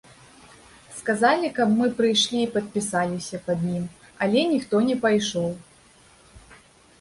Сказалі, каб мы прыйшлі і падпісаліся пад ім, але ніхто не пайшоў.